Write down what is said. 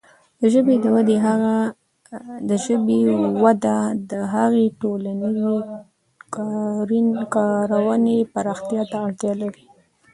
د ژبې وده د هغې د ټولنیزې کارونې پراختیا ته اړتیا لري.